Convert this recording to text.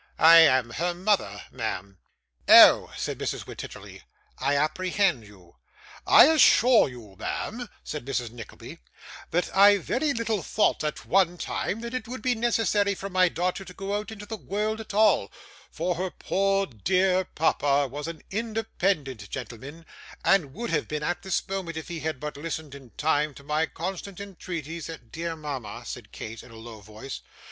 I am her mother, ma'am.' 'Oh!' said Mrs. Wititterly, 'I apprehend you.' 'I assure you, ma'am,' said Mrs. Nickleby, 'that I very little thought, at one time, that it would be necessary for my daughter to go out into the world at all, for her poor dear papa was an independent gentleman, and would have been at this moment if he had but listened in time to my constant entreaties and ' 'Dear mama,' said Kate, in a low voice.